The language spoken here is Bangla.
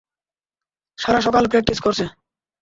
সারা সকাল প্র্যাকটিস করছে।